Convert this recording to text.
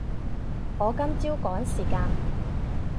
我今朝趕時間